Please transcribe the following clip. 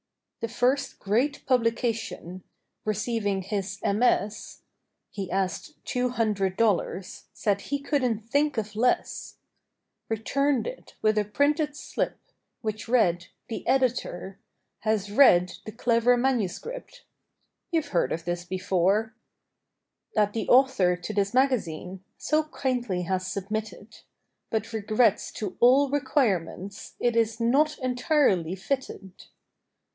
The first great publication Receiving his MS. (He asked two hundred dollars— Said he couldn't think of less), Returned it, with a printed slip Which read: " The Editor Has read the clever manuscript " (You've heard of this before) " That the author to this magazine So kindly has submitted, But regrets to all requirements It is not entirely fitted."